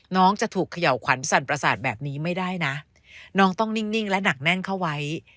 น้องจะถูกเขย่าขวัญสั่นประสาทแบบนี้ไม่ได้นะน้องต้องนิ่งและหนักแน่นเข้าไว้